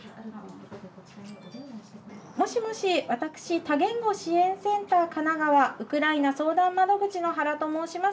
もしもし、私、多言語支援センター、かながわ、ウクライナ相談窓口の原と申しま